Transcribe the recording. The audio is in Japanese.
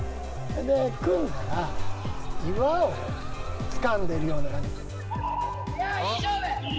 で、組んだら、岩をつかんでるような感じ。